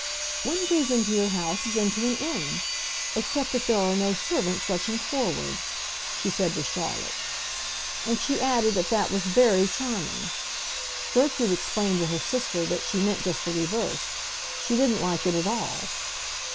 "One goes into your house as into an inn—except that there are no servants rushing forward," she said to Charlotte. And she added that that was very charming. Gertrude explained to her sister that she meant just the reverse; she didn't like it at all.